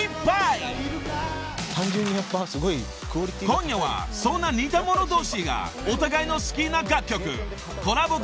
［今夜はそんな似た者同士がお互いの好きな楽曲コラボ